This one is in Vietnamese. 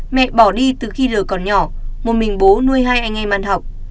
mẹ bỏ đi từ khi lời còn nhỏ một mình bố nuôi hai anh em ăn học